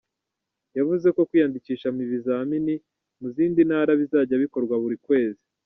Yavuze ko kwiyandikisha m’ibizamini mu zindi ntara bizajya bikorwa buri kwezi.